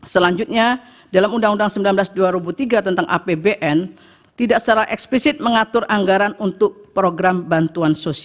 selanjutnya dalam undang undang sembilan belas dua ribu tiga tentang apbn tidak secara eksplisit mengatur anggaran untuk program bantuan sosial